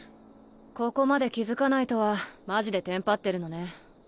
ここまで気付かないとはマジでテンパってるのね。